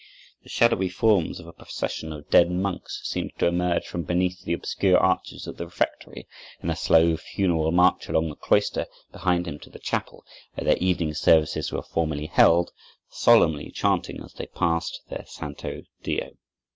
The shadowy forms of a procession of dead monks seemed to emerge from beneath the obscure arches of the refectory, in a slow funeral march along the cloister behind him to the chapel, where their evening services were formerly held, solemnly chanting as they passed their Santo Dio.